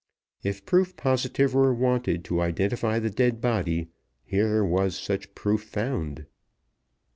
If proof positive were wanted to identify the dead body, here was such proof found.